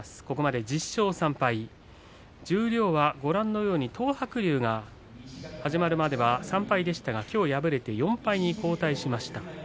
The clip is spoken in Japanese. ここまで１０勝３敗十両はご覧のように東白龍が始まるまでは３敗でしたがきょう敗れて４敗に後退しました。